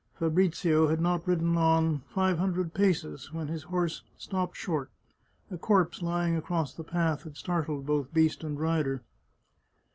Fabrizio had not ridden on five hundred paces when his horse stopped short — a corpse lying across the path had startled both beast and rider.